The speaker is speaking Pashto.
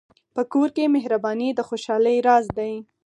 په کور کې مهرباني د خوشحالۍ راز دی.